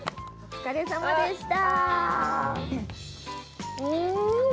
お疲れさまでした。